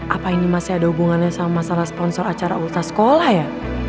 apa ini masih ada hubungannya sama masalah sponsor acara ultas sekolah ya